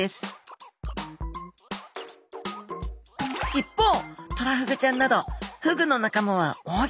一方トラフグちゃんなどフグの仲間は扇形。